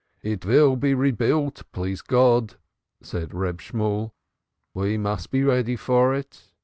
"It will be rebuilt, please God," said Reb Shemuel. "We must be ready for it."